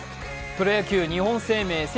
プロ野球日本生命セ